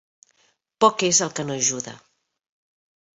Poc és el que no ajuda.